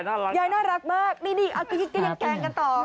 นี่ยายน่ารักมากนี่แกล้งกันต่อ